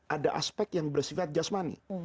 ada aspek yang bersifat jasmani